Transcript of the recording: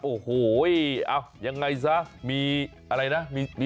โอ้โหยังไงซะมีอะไรนะ